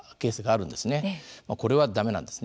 これは駄目なんですね。